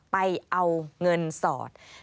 ไปเอาเงินสอด